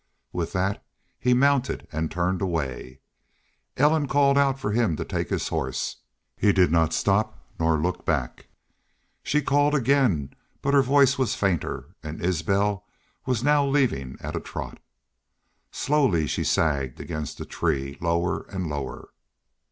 With that he mounted and turned away. Ellen called out for him to take his horse. He did not stop nor look back. She called again, but her voice was fainter, and Isbel was now leaving at a trot. Slowly she sagged against the tree, lower and lower.